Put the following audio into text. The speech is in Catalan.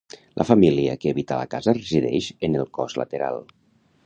La família que habita la casa resideix en el cos lateral.